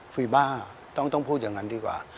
ฟีบ้าต้องพูดอย่างนั้นดีกว่า